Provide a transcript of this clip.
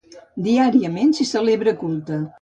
Diàriament s'hi celebra culte.